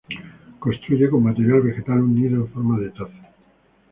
Construye con material vegetal un nido en forma de taza.